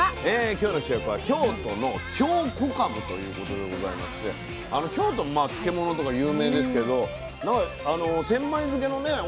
今日の主役は京都の京こかぶということでございまして京都漬物とか有名ですけど千枚漬のね大きいかぶ。